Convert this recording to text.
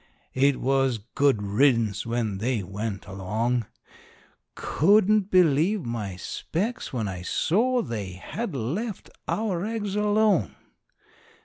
It was good riddance when they went along. Couldn't believe my specs when I saw they had left our eggs alone.